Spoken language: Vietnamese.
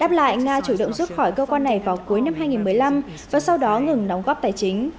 đáp lại nga chủ động rút khỏi cơ quan này vào cuối năm hai nghìn một mươi năm và sau đó ngừng đóng góp tài chính